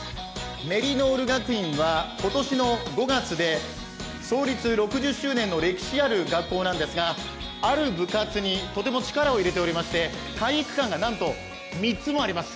メリノール学院は今年で創立６０周年の歴史ある学校なんですが、ある部活にとても力を入れておりまして、体育館がなんと３つもあります。